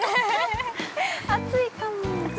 ◆熱いかも。